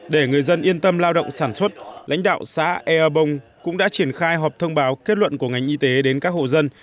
để người dân yên tâm lao động sản xuất lãnh đạo xã ea bông cũng đã triển khai họp thông báo kết luận của ngành y tế đến các hộ dân